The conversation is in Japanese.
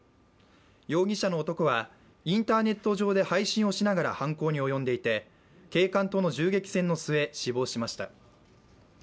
容疑者の男はインターネット上で配信をしながら犯行に及んでいて警官との銃撃戦の末、死亡しました。